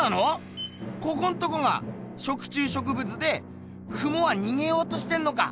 ここんとこが食虫植物でクモはにげようとしてんのか？